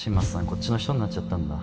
こっちの人になっちゃったんだ